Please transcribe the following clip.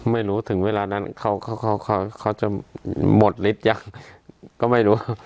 ไม่รู้ถึงเวลานั้นเขาจะหมดฤทธิ์ยังก็ไม่รู้